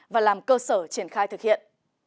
và làm cơ sở triển khai thực hiện